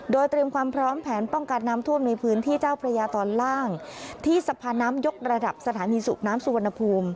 โดยเตรียมความพร้อมแผนป้องกันน้ำท่วมในพื้นที่เจ้าพระยาตอนล่างที่สะพานน้ำยกระดับสถานีสูบน้ำสุวรรณภูมิ